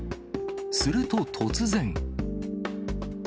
すると突然。